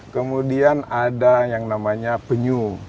kemudian ada yang namanya penyu